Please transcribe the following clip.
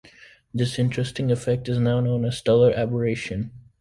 This interesting effect is now known as stellar aberration.